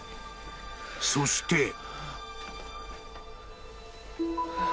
［そして］